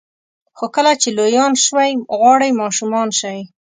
خو کله چې لویان شوئ غواړئ ماشومان شئ.